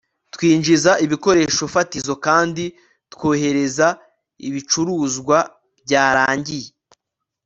twinjiza ibikoresho fatizo kandi twohereza ibicuruzwa byarangiye